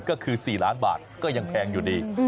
ก็คือ๔ล้านบาทก็ยังแพงอยู่ดี